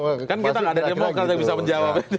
kan kita nggak ada yang bisa menjawab